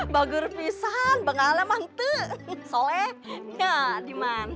bagur pisah bengal mah mantu soalnya ga diman